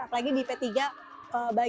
apalagi di p tiga bagi indonesia tentunya